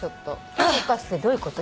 手動かすってどういうこと？